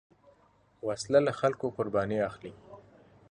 وسله له خلکو قرباني اخلي